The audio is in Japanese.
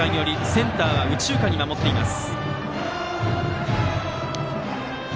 センターは右中間に守っています。